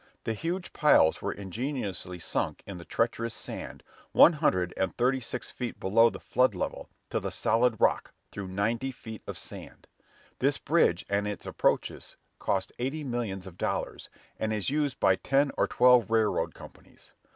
The huge piles were ingeniously sunk in the treacherous sand, one hundred and thirty six feet below the flood level to the solid rock, through ninety feet of sand. This bridge and its approaches cost eighty millions of dollars, and is used by ten or twelve railroad companies.